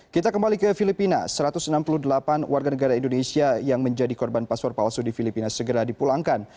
kita kembali ke filipina satu ratus enam puluh delapan warga negara indonesia yang menjadi korban paspor palsu di filipina segera dipulangkan